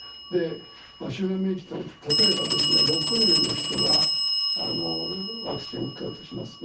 集団免疫というのは、例えば６割の人がワクチンを打ったとしますね。